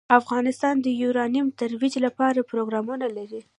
افغانستان د یورانیم د ترویج لپاره پروګرامونه لري.